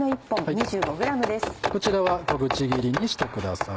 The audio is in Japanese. こちらは小口切りにしてください。